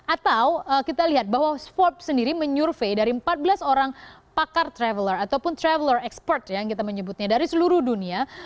atau kita lihat bahwa forbes sendiri menyurvey dari empat belas orang pakar traveler ataupun traveler expert yang kita menyebutnya dari seluruh dunia